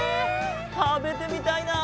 たべてみたいな！